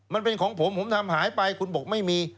มันเป็นของผมผมทำหายไปคุณบอกไม่มี